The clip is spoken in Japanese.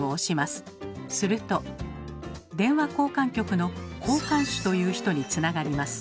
すると電話交換局の「交換手」という人につながります。